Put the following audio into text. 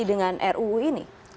dengan ruu ini